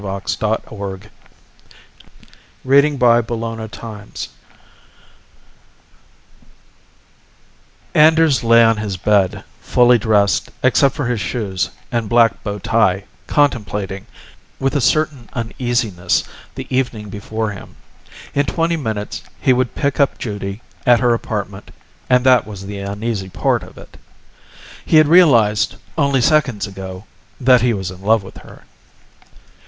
but look where he wound up!_ Illustrated by EMSH Anders lay on his bed, fully dressed except for his shoes and black bow tie, contemplating, with a certain uneasiness, the evening before him. In twenty minutes he would pick up Judy at her apartment, and that was the uneasy part of it. He had realized, only seconds ago, that he was in love with her.